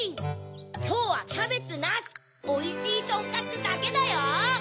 きょうはキャベツなしおいしいとんかつだけだよ！